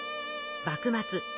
幕末